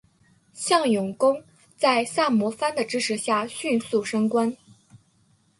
向永功在萨摩藩的支持下迅速升官。